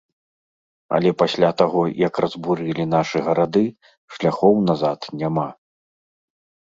Але пасля таго, як разбурылі нашы гарады, шляхоў назад няма.